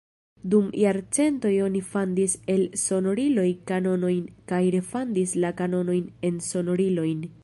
Dum jarcentoj oni fandis el sonoriloj kanonojn kaj refandis la kanonojn en sonorilojn.